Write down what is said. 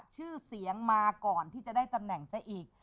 ชื่อเสียงมาก่อนที่จะได้ตำแหน่งซะอีก